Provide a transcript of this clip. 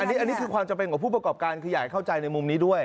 อันนี้คือความจำเป็นของผู้ประกอบการคืออยากให้เข้าใจในมุมนี้ด้วย